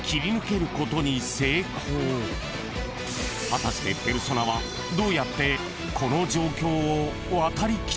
［果たしてペルソナはどうやってこの状況を渡りきったのか？］